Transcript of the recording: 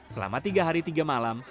selama tiga hari tiga malam